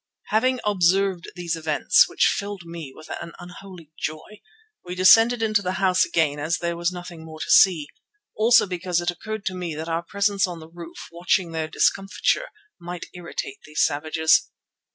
Having observed these events, which filled me with an unholy joy, we descended into the house again as there was nothing more to see, also because it occurred to me that our presence on the roof, watching their discomfiture, might irritate these savages.